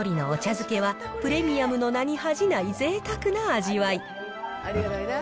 漬けは、プレミアムの名に恥じないぜいたくな味わい。